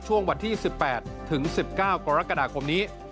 ช่วงวันที่๑๘ถึง๑๙กรกฎาคมนี้